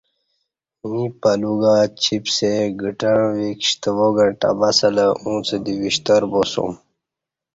ییں پلو گا چِپسے گھٹعں وِیک شتوا گھنٹہ باسلہ ااُݩڅ دی وشتر باسُوم